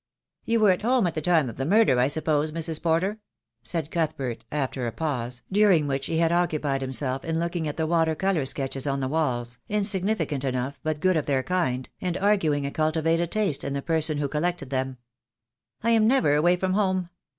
"You were at home at the time of the murder, I suppose, Mrs. Porter?" said Cuthbert, after a pause, during which he had occupied himself in looking at the water colour sketches on the walls, insignificant enough, 120 THE DAY WILL COME. but good of their kind, and arguing a cultivated taste in the person who collected them. "I am never away from home."